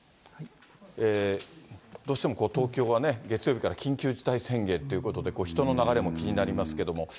どうしても東京はね、月曜日から緊急事態宣言ということで、人の流れも気になりますけれども。